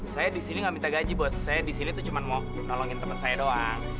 saya di sini nggak minta gaji bos saya di sini tuh cuma mau nolongin temen saya doang